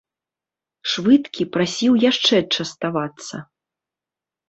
Швыдкі прасіў яшчэ частавацца.